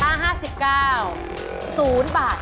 ถ้า๖๙แจ็คควัดแตก